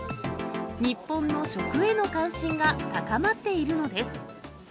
日本の食への関心が高まっているのです。